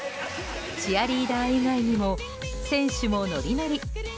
チアリーダー以外にも選手もノリノリ。